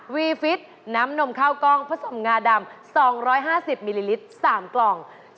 วีฟิตน้ำนมข้าวกล้องผสมงาดำ๒๕๐มิลลิลิตร๓กล่อง